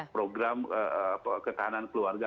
program ketahanan keluarga